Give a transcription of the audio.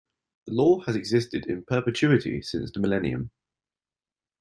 The law has existed in perpetuity since the millennium.